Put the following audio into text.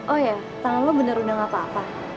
oh ya tangan lo bener bener gak apa apa